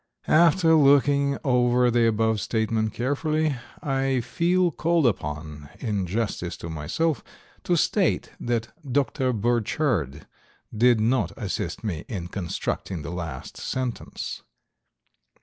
After looking over the above statement carefully, I feel called upon, in justice to myself, to state that Dr. Burchard did not assist me in constructing the last sentence.